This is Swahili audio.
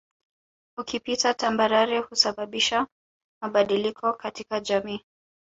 Ukipita tambarare husababisha mabadiliko katika jamii